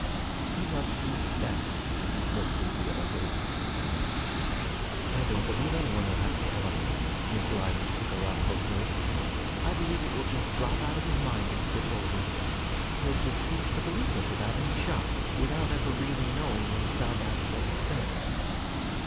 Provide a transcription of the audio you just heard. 'He loves you best,' Miss Cynthia evaded. 'I don't believe any one will have to tell him,' Miss Lyman took her up, hopefully. 'I believe it will just drop out of his mind as he gets older. He'll just cease to believe it without any shock, without ever really knowing when he found out it wasn't so.'